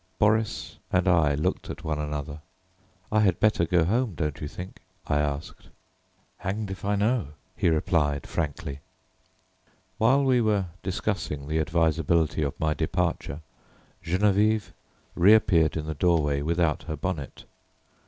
Boris and I looked at one another. "I had better go home, don't you think?" I asked. "Hanged if I know," he replied frankly. While we were discussing the advisability of my departure Geneviève reappeared in the doorway without her bonnet.